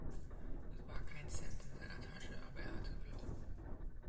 Es war kein Cent in seiner Tasche, aber er hatte Glaube.